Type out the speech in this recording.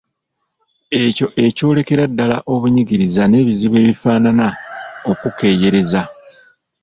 ekyo ekyolekera ddala obunyigiriza n’ebizibu ebifaanana okukeeyereza